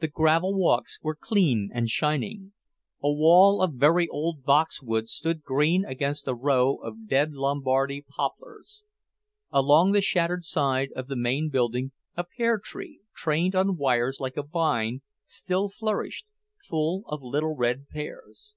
The gravel walks were clean and shining. A wall of very old boxwoods stood green against a row of dead Lombardy poplars. Along the shattered side of the main building, a pear tree, trained on wires like a vine, still flourished, full of little red pears.